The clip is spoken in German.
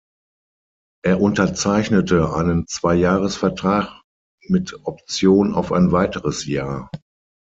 Er unterzeichnete einen Zweijahresvertrag mit Option auf ein weiteres Jahr.